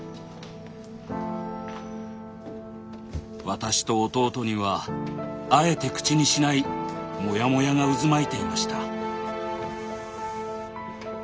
私と弟にはあえて口にしないモヤモヤが渦巻いていました。